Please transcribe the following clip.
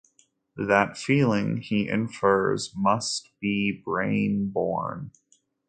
That feeling, he infers, must be brain born.